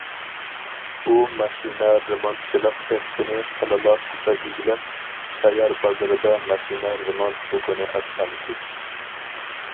ئۇ ماشىنا رېمونتچىلىق كەسپىنى خېلىلا پۇختا ئىگىلەپ، شايار بازىرىدا ماشىنا رېمونت دۇكىنى ئاچقان ئىدى.